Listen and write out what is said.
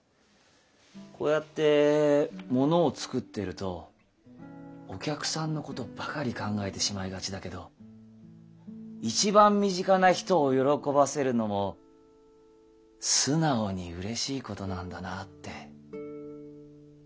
こうやってものを作ってるとお客さんのことばかり考えてしまいがちだけど一番身近な人を喜ばせるのも素直にうれしいことなんだなって改めて気付かせてもらったよ。